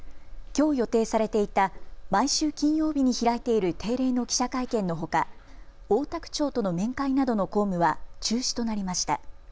きょう予定されていた毎週金曜日に開いている定例の記者会見のほか、大田区長との面会などの公務は中止となりました。